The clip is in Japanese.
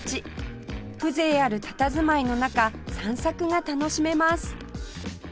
風情あるたたずまいの中散策が楽しめます